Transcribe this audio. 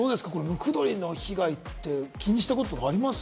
ムクドリの被害、気にしたことあります？